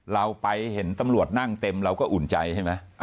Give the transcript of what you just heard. เราไปเห็นตำรวจนั่งเต็มเราก็อุ่นใจใช่ไหม